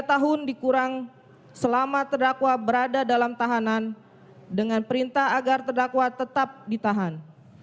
tiga tahun dikurang selama terdakwa berada dalam tahanan dengan perintah agar terdakwa tetap ditahan